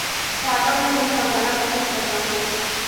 خیالوں میں گم ہو جانا پسند کرتا ہوں